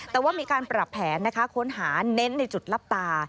แต่ว่ามีการปรับแผนนะคะค้นหาเน้นในจุดลับตา